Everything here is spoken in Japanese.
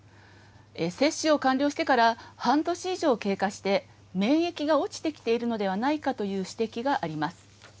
接種を完了してから半年以上経過して、免疫が落ちてきているのではないかという指摘があります。